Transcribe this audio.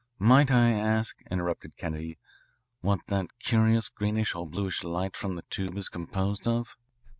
"Might I ask," interrupted Kennedy, "what that curious greenish or bluish light from the tube is composed of?"